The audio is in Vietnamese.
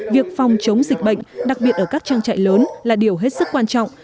việc phòng chống dịch bệnh đặc biệt ở các trang trại lớn là điều hết sức quan trọng